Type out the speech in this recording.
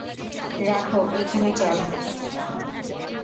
রাখ ঐখানে, চল।